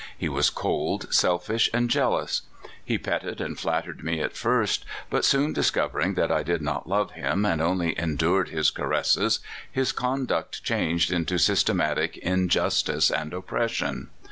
He was cold, selfish, and jealous. lie petted and flattered me at first, but soon dis covering that I did not love him, and only endured his caresses, his conduct changed into systematic injustice and oppression.